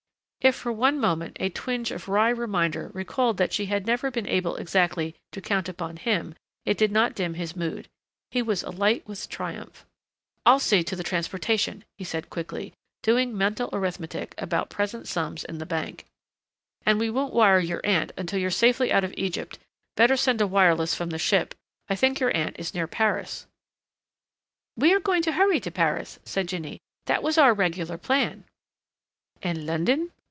If for one moment a twinge of wry reminder recalled that she had never been able exactly to count upon him it did not dim his mood. He was alight with triumph. "I'll see to the transportation," he said quickly, doing mental arithmetic about present sums in the bank. "And we won't wire your aunt until you're safely out of Egypt better send a wireless from the ship. I think your aunt is near Paris " "We are going to hurry to Paris," said Jinny, "That was our regular plan " "And London?"